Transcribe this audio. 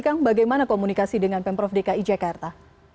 kang bagaimana komunikasi dengan pemprov dki jakarta